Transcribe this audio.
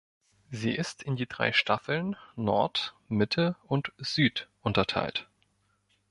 Sie ist in die drei Staffeln "Nord", "Mitte" und "Süd" unterteilt.